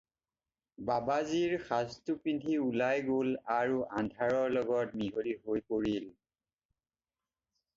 বাবাজীৰ সাজটো পিন্ধি ওলাই গ'ল আৰু আন্ধাৰৰ লগত মিহলি হৈ পৰিল।